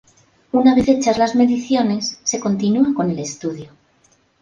Una vez hechas las mediciones se continua con el estudio.